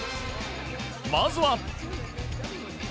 まずは。